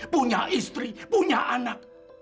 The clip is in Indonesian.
punya istri punya anak